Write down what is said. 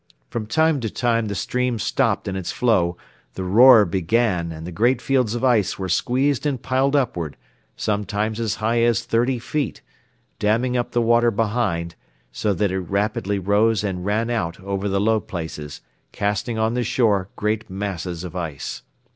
From time to time the stream stopped in its flow, the roar began and the great fields of ice were squeezed and piled upward, sometimes as high as thirty feet, damming up the water behind, so that it rapidly rose and ran out over the low places, casting on the shore great masses of ice.